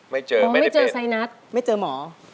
ไม่เจอไม่ได้เป็นไม่เจอหมอ